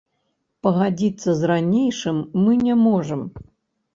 Пагадзіцца з ранейшым мы не можам.